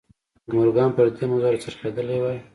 که مورګان پر دې موضوع را څرخېدلی وای